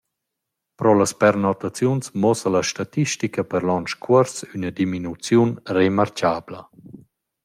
Pro las pernottaziuns muossa la statistica per l’on scuors üna diminuziun remarchabla.